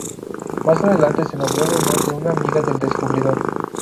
Más adelante se nombró en honor de una amiga del descubridor.